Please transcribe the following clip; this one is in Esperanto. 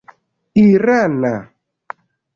irana